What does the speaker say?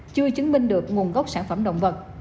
chưa chứng minh được nguồn gốc sản phẩm động vật